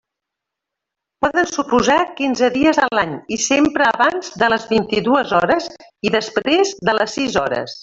Poden suposar quinze dies a l'any i sempre abans de les vint-i-dues hores i després de les sis hores.